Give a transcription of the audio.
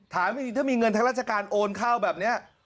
ถามจริงถ้ามีเงินทางราชการโอนเข้าแบบนี้